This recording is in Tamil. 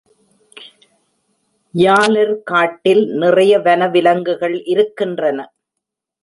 யாலர் காட்டில் நிறைய வன விலங்குகள் இருக்கின்றன.